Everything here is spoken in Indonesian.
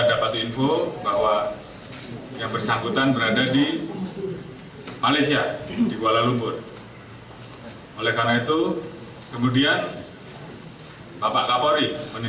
komunikasi intens terus kita lakukan untuk mendeteksi